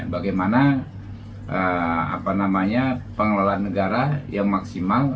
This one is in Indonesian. bagaimana pengelolaan negara yang maksimal